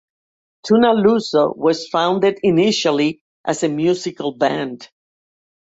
Tuna Luso was founded initially as a musical band.